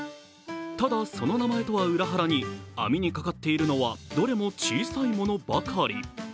ただ、その名前ちは裏腹に網にかかっているのはどれも小さいものばかり。